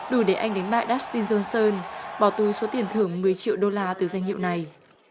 đủ để anh đánh bại dasti johnson bỏ tù số tiền thưởng một mươi triệu đô la từ danh hiệu này